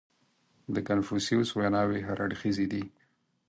• د کنفوسیوس ویناوې هر اړخیزې دي.